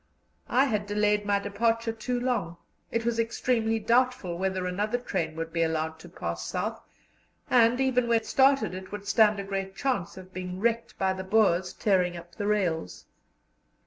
I had delayed my departure too long; it was extremely doubtful whether another train would be allowed to pass South, and, even when started, it would stand a great chance of being wrecked by the Boers tearing up the rails.